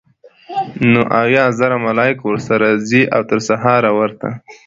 نو اويا زره ملائک ورسره ځي؛ او تر سهاره ورته